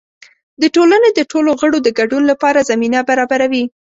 د ټولنې د ټولو غړو د ګډون لپاره زمینه برابروي.